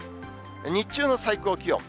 日中の最高気温。